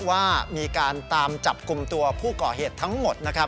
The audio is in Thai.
ว่ามีการตามจับกลุ่มตัวผู้ก่อเหตุทั้งหมดนะครับ